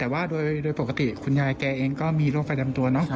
แต่โดยปกติคุณยายแกเองก็มีโรคไปรัมตัว